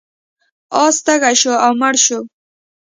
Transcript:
اس تږی شو او مړ شو.